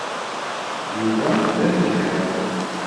Yuba d amihaw.